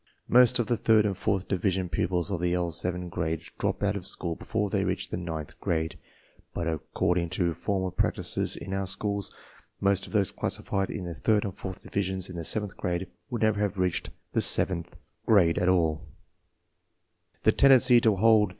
Most of the third and fourth division pupils of the L 7 grade drop out of school before they reach the ninth grade, but, according to former practices in our schools, most of those classified in the third and fourth divisions in the seventh grade would never have reached the seventh CLASSIFICATION BY MENTAL ABILITY 47 Fig 2.